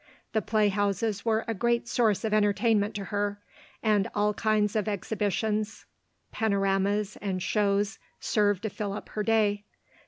The playhouses were a great source of entertainment to her, and all kinds of exhibitions, panoramas, and shows, served to fill up her day.